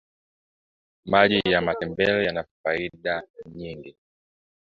maji ya matembele yana faida vingi